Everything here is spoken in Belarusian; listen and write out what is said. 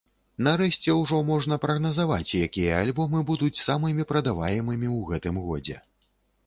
Нарэшце, ужо можна прагназаваць, якія альбомы будуць самымі прадаваемымі ў гэтым годзе.